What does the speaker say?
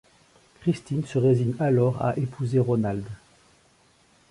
Christine se résigne alors à épouser Ronald.